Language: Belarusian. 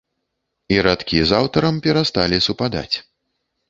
І радкі з аўтарам перасталі супадаць.